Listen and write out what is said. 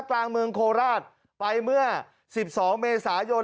กลางเมืองโคราชไปเมื่อ๑๒เมษายน